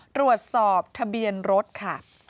ตรวจสอบทะเบียนรถค่ะ